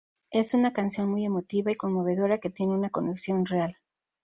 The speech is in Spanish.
Es una canción muy emotiva y conmovedora que tienen una conexión real"".